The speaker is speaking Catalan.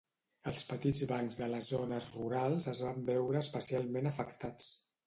Els petits bancs de les zones rurals es van veure especialment afectats.